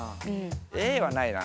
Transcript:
Ａはないな。